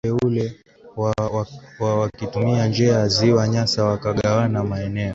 walifika mwaka uleule wa wakitumia njia ya Ziwa Nyasa wakagawana maeneo